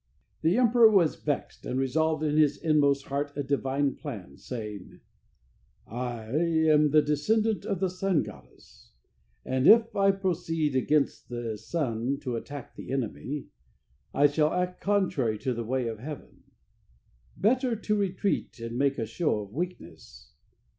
The emperor was vexed, and revolved in his inmost heart a divine plan, saying: "I am the descendant of the sun goddess, and if I proceed against the sun to attack the enemy, I shall act contrary to the way of heaven. Better to retreat and make a show of weakness.